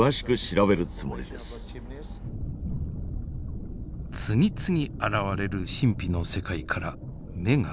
次々現れる神秘の世界から目が離せません。